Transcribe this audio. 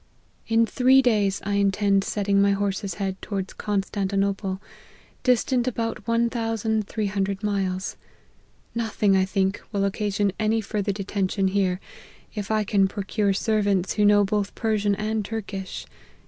" In three days I intend setting my horse's head towards Constantinople, distant about one thousand three hundred miles. Nothing, I think, will occa sion any further detention here, if I can procure servants who know both Persian and Turkish.